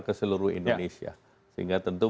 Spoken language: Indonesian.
ke seluruh indonesia sehingga tentu